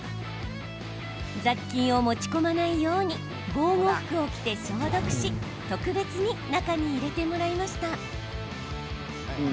雑菌を持ち込まないように防護服を着て消毒し特別に中に入れてもらいました。